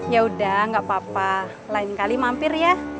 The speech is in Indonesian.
yaudah gak apa apa lain kali mampir ya